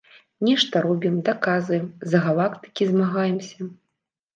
Нешта робім, даказваем, за галактыкі змагаемся.